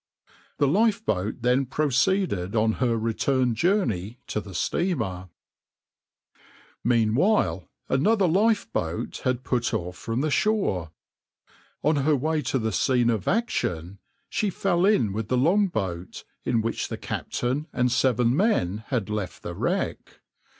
The lifeboat then proceeded on her return journey to the steamer.\par Meanwhile another lifeboat had put off from the shore. On her way to the scene of action she fell in with the long boat in which the captain and seven men had left the wreck.